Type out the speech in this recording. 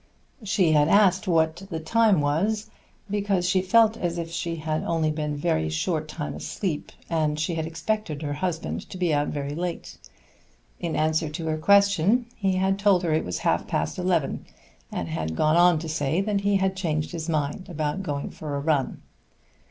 She had asked what the time was because she felt as if she had only been a very short time asleep, and she had expected her husband to be out very late. In answer to her question he had told her it was half past eleven, and had gone on to say that he had changed his mind about going for a run.